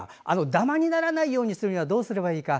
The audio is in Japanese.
ダマにならないようにするにはどうすればいいか。